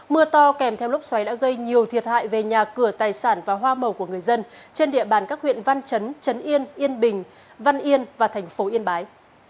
mưa to kèm theo lốc xoáy đã gây nhiều thiệt hại về nhà cửa tài sản và hoa màu của người dân trên địa bàn các huyện văn chấn yên yên bình văn yên và thành phố yên bái